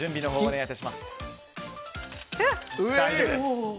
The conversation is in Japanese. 大丈夫です。